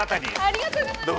ありがとうございます。